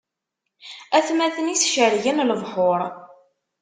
Atmaten-is cergen lebḥuṛ.